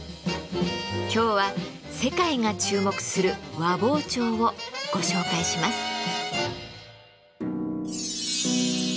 今日は世界が注目する和包丁をご紹介します。